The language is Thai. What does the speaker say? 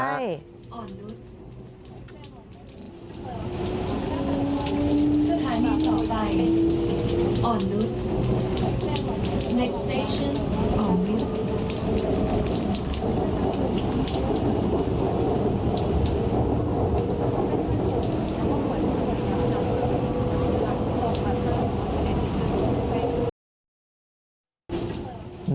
ใช่